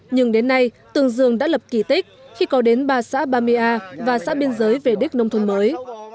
nhưng đến nay tường dường đã lập kỳ tích khi có đến ba xã bamea và xã biên giới về đích nông thôn mới